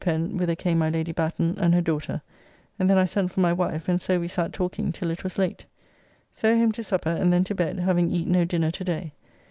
Pen, whither came my Lady Batten and her daughter, and then I sent for my wife, and so we sat talking till it was late. So home to supper and then to bed, having eat no dinner to day.